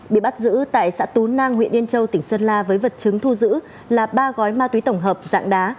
bị bắt giữ tại xã tú nang huyện yên châu tỉnh sơn la với vật chứng thu giữ là ba gói ma túy tổng hợp dạng đá